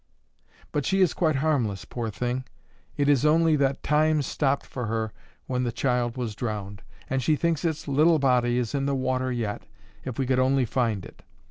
But she is quite harmless, poor thing! It is only that time stopped for her when the child was drowned, and she thinks its little body is in the water yet, if we could only find it.